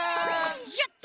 やった！